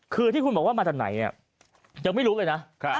คือที่คุณบอกว่ามาจากไหนยังไม่รู้เลยนะ